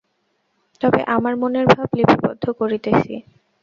তবে আমার মনের ভাব লিপিবদ্ধ করিতেছি।